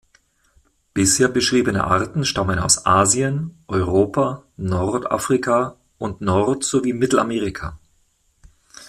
Bisher beschriebene Arten stammen aus Asien, Europa, Nordafrika und Nord- sowie Mittelamerika.